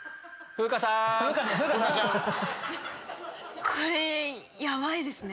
風花ちゃん。これヤバいですね。